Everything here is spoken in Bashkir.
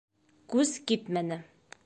КҮС КИТМӘНЕ